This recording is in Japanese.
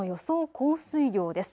降水量です。